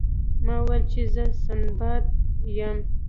ما وویل چې زه سنباد یم.